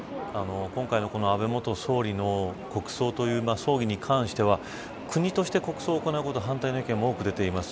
今回の安倍元総理の国葬という葬儀に関しては国として国葬を行うことに反対の意見も多く出ています。